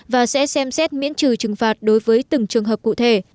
và sẽ xem xét miễn trừ trừng phạt đối với từng trường hợp cụ thể